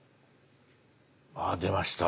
あ出ました。